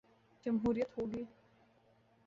جمہوریت ہو گی۔